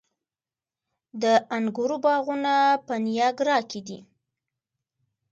د انګورو باغونه په نیاګرا کې دي.